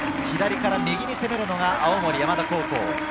左から右に攻めるのが青森山田高校。